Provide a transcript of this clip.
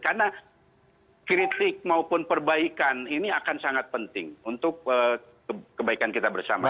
karena kritik maupun perbaikan ini akan sangat penting untuk kebaikan kita bersama